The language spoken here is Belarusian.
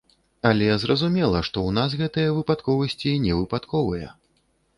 Але, зразумела, што ў нас гэтыя выпадковасці не выпадковыя.